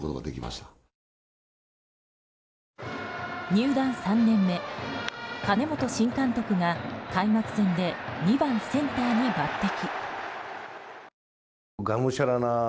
入団３年目、金本新監督が開幕戦で２番センターに抜擢。